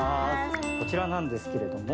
こちらなんですけれども。